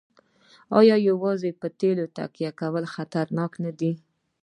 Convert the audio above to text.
آیا یوازې په تیلو تکیه کول خطرناک نه دي؟